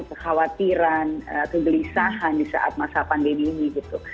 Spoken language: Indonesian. kekhawatiran kegelisahan di saat masa pandemi ini gitu